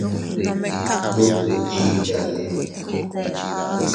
¿Duʼu chidade?